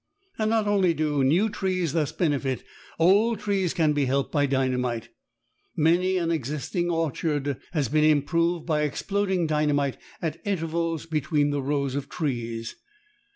And not only do new trees thus benefit; old trees can be helped by dynamite. Many an existing orchard has been improved by exploding dynamite at intervals between the rows of trees.